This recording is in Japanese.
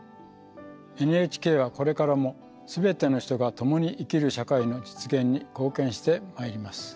ＮＨＫはこれからも全ての人が共に生きる社会の実現に貢献してまいります。